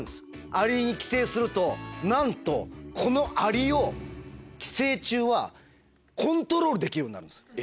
アリに寄生するとなんとこのアリを寄生虫はコントロールできるようになるんです。